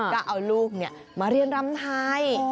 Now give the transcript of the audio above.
ก็เอาลูกมาเรียนรำไทย